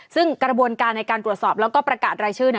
ซึ่งกระบวนการในการตรวจสอบแล้วก็ประกาศรายชื่อ